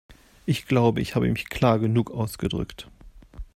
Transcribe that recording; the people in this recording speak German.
Ich glaube, ich habe mich klar genug ausgedrückt.